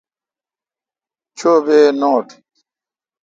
چو بی نوٹ۔